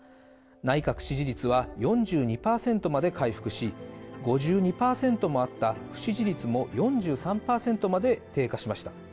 内閣支持率は４２％まで回復し、５２％もあった不支持率も４３％まで低下しました。